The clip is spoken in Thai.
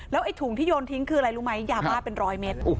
ไอ้ถุงที่โยนทิ้งคืออะไรรู้ไหมยาบ้าเป็นร้อยเมตร